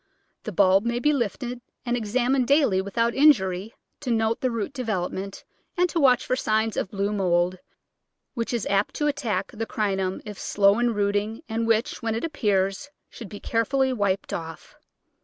The bulb may be lifted and examined daily without injury, to note the root development and to watch for signs of blue mould, which is apt to attack the Crinum if slow in rooting and which, when it appears, should be care fully wiped off.